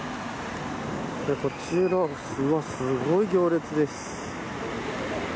こちら、すごい行列です。